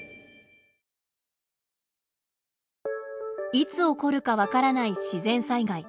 いつ起こるか分からない自然災害。